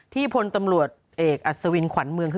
พลตำรวจเอกอัศวินขวัญเมืองคือ